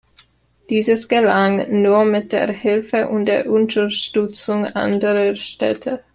Dieses gelang nur mit der Hilfe und der Unterstützung anderer Städte.